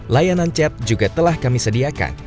layanan chat juga telah kami sediakan